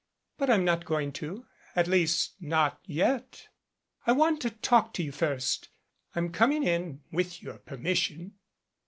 "But I'm not going to at least, not yet. I want to talk to you first. I'm coming in with your permis sion."